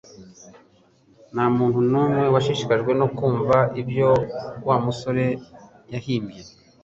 Ntamuntu numwe washishikajwe no kumva ibyo Wa musore yahimbye